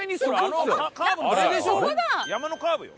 山のカーブよ。